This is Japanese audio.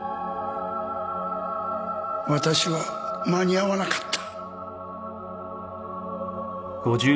私は間に合わなかった。